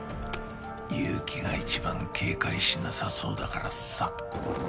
結城が一番警戒しなさそうだからさ。